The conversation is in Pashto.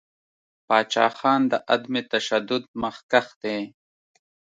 پاچاخان د عدم تشدد مخکښ دی.